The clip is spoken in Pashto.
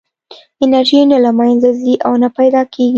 انرژي نه له منځه ځي او نه پیدا کېږي.